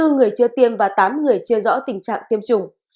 hai mươi người chưa tiêm và tám người chưa rõ tình trạng tiêm chủng